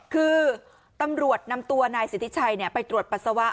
คือตำรวจนำตัวนายสิทธิชัยไปตรวจปัสสาวะ